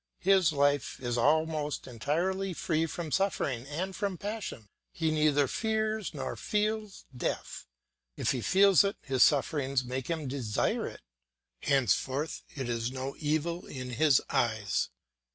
His life is almost entirely free from suffering and from passion; he neither fears nor feels death; if he feels it, his sufferings make him desire it; henceforth it is no evil in his eyes.